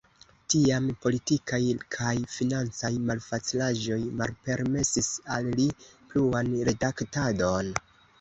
Tiam politikaj kaj financaj malfacilaĵoj malpermesis al li pluan redaktadon.